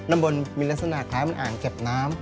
ด้านบนมีลักษณะคล้ายมันอ่างแก่บน้ำ